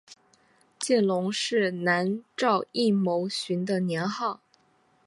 见龙是南诏异牟寻的年号。